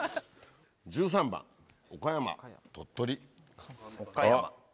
１３番岡山鳥取。